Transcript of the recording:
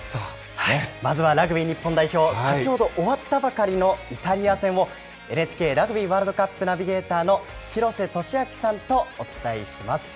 まずはラグビー日本代表、先ほど終わったばかりのイタリア戦を、ＮＨＫラグビーワールドカップナビゲーターの廣瀬俊朗さんとお伝えします。